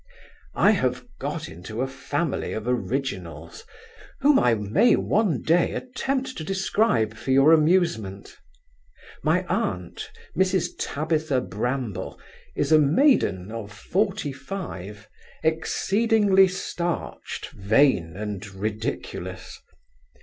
I have got into a family of originals, whom I may one day attempt to describe for your amusement. My aunt, Mrs Tabitha Bramble, is a maiden of forty five, exceedingly starched, vain, and ridiculous.